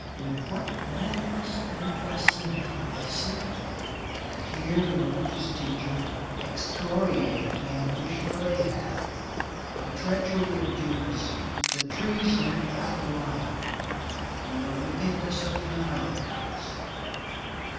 With what blandness and placidity they sit and hear the religious teacher excoriate the ambition of Ahab, the treachery of Judas, the treason of Athaliah, and the wickedness of the Amalekites.